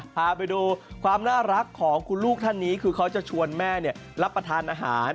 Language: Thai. พาไปดูความน่ารักของคุณลูกท่านนี้คือเขาจะชวนแม่รับประทานอาหาร